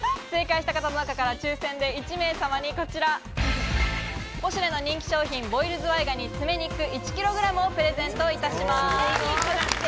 正解した方の中から抽選で１名様にこちら、ポシュレの人気商品「ボイルズワイガニ爪肉１ｋｇ」をプレゼントいたします。